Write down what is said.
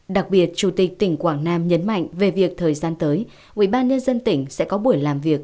đặc biệt chủ tịch tỉnh quảng nam nhấn mạnh về việc thời gian tới ubnd tỉnh sẽ có buổi làm việc